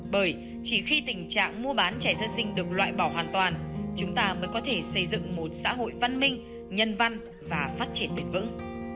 bởi chỉ khi tình trạng mua bán trẻ sơ sinh được loại bỏ hoàn toàn chúng ta mới có thể xây dựng một xã hội văn minh nhân văn và phát triển bền vững